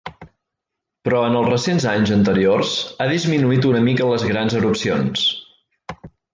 Però en els recents anys anteriors, ha disminuït una mica les grans erupcions.